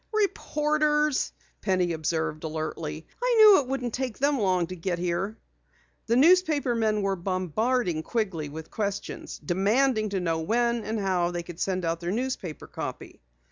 "Reporters!" Penny observed alertly. "I knew it wouldn't take them long to get here!" The newspaper men were bombarding Quigley with questions, demanding to know when and how they could send out their newspaper copy.